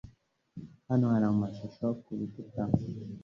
Hano hari amashusho kurukuta.